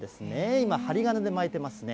今、針金で巻いていますね。